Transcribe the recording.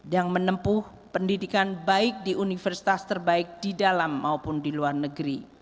yang menempuh pendidikan baik di universitas terbaik di dalam maupun di luar negeri